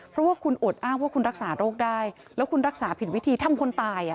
เพราะว่าคุณอดอ้างว่าคุณรักษาโรคได้แล้วคุณรักษาผิดวิธีทำคนตาย